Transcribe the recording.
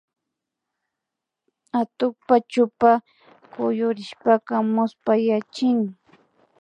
Atukpa chupa kuyurishpaka muspayachin